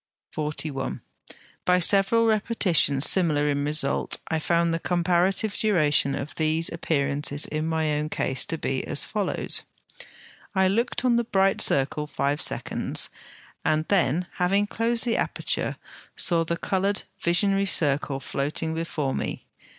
By several repetitions similar in result, I found the comparative duration of these appearances in my own case to be as follows: I looked on the bright circle five seconds, and then, having closed the aperture, saw the coloured visionary circle floating before me.